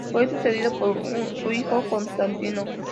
Fue sucedido por su hijo Constantino.